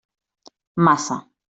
Massa.